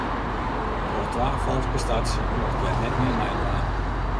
Troch twa falske starts mocht hja net mear meidwaan.